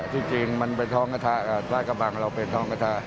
ที่จริงมันเป็นท้องกระทะลาดกระบังเราเป็นท้องกระทะ